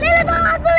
lele bawa aku lele